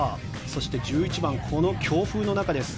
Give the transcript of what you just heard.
そして１１番はこの強風の中です。